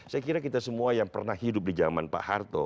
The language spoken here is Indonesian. saya kira kita semua yang pernah hidup di zaman pak harto